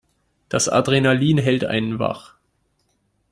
Das Adrenalin hält einen wach.